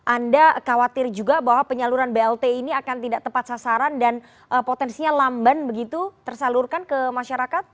anda khawatir juga bahwa penyaluran blt ini akan tidak tepat sasaran dan potensinya lamban begitu tersalurkan ke masyarakat